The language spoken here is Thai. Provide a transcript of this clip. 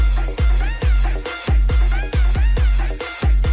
สวัสดีค่ะ